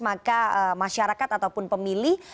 maka masyarakat ataupun pemilih